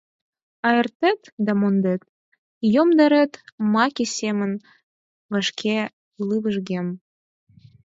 А эртет да мондет, йомдарет — маке семын вашке лывыжгем.